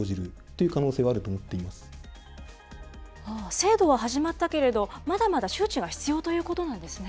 制度は始まったけれど、まだまだ周知が必要ということなんですね。